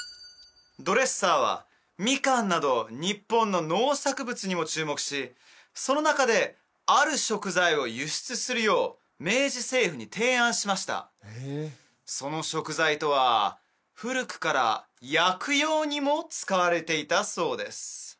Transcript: ドレッサーはみかんなど日本の農作物にも注目しその中である食材を輸出するよう明治政府に提案しましたその食材とは古くから薬用にも使われていたそうです